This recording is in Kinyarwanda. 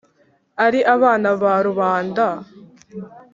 ari abana ba rubanda,